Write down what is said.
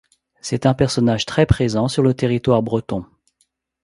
C’est un personnage très présent sur le territoire breton.